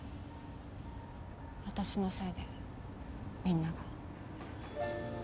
あたしのせいでみんなが。